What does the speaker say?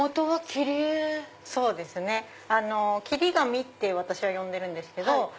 切り紙って私は呼んでるんですけど。